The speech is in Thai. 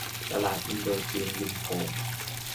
ตลาดอินโดจีนริมโขง